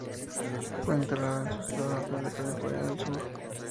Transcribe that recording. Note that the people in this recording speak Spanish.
Fue enterrada en su estado natal de Carolina del Sur.